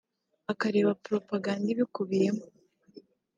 ukareba propaganda ibikubiyemo